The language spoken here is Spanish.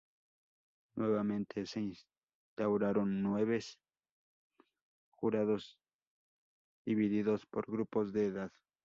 Nuevamente se instauraron nueves jurados divididos por grupos de edad.